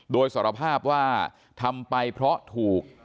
โดยสารภาพว่าทำไปเพราะถูก